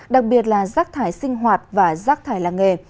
đặc biệt là rác thải sinh hoạt và rác thải làng nghề